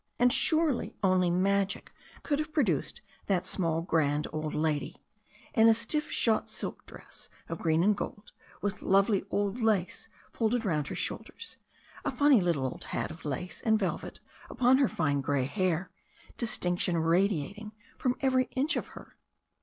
And surely only magic could have produced that small grand old lady, in a stiff shot silk dress of green and gold, with lovely old lace folded round her shoulders, a funny little old hat of lace and velvet upon her fine grey hair, distinction radiating from every inch of her.